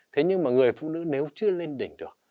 thế nhưng mà người phụ nữ nếu chưa lên đỉnh được